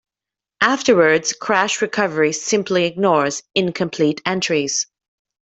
Afterwards, crash recovery simply ignores incomplete entries.